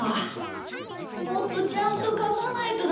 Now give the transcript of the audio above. もっとちゃんとかかないとダメだ。